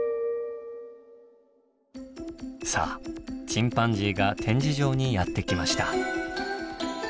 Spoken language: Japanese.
さあチンパンジーが展示場にやって来ました。